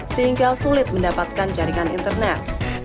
sehingga sulit mendapatkan jaringan internet